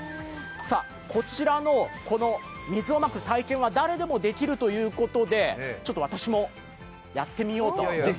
こちらの水をまく体験は誰でもできるということで私もやってみようと。